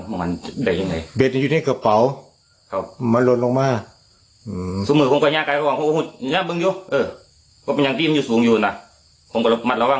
ว่าเบ็ดมันลดลงมามันได้ยังไงเบ็ดมันอยู่ในกระเป๋าครับ